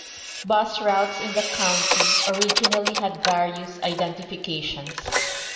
Bus routes in the county originally had various identifications.